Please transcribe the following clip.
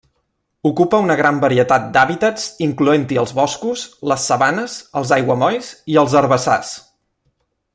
Ocupa una gran varietat d'hàbitats, incloent-hi els boscos, les sabanes, els aiguamolls i els herbassars.